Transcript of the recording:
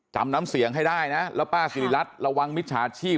น้ำเสียงให้ได้นะแล้วป้าสิริรัตน์ระวังมิจฉาชีพ